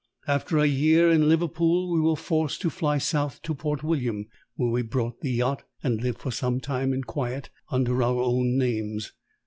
After a year in Liverpool we were forced to fly south to Port William, where we brought the yacht and lived for some time in quiet, under our own names.